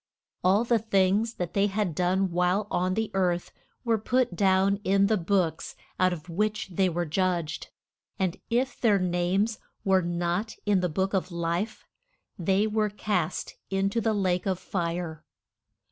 All the things that they had done while on the earth were put down in the books out of which they were judged. And if their names were not in the Book of Life they were cast in to the lake of fire.